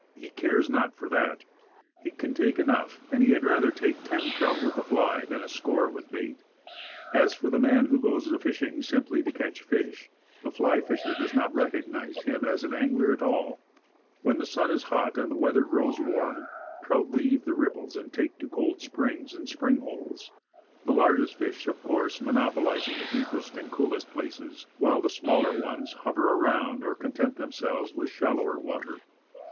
He cares not for that. He can take enough; and he had rather take ten trout with the fly than a score with bait. As for the man who goes a fishing simply to catch fish, the fly fisher does not recognize him as an angler at all When the sun is hot and the weather grows warm, trout leave the ripples and take to cold springs and spring holes; the largest fish, of course, monopolizing the deepest and coolest places, while the smaller ones hover around, or content themselves with shallower water.